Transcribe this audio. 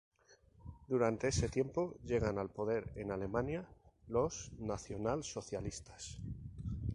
Durante ese tiempo, llegan al poner en Alemania los nacionalsocialistas.